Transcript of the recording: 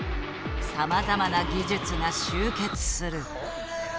さまざまな技術が集結する。